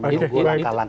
kita menunggu antalan